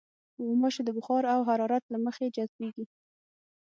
غوماشې د بخار او حرارت له مخې جذبېږي.